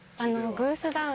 グースダウン。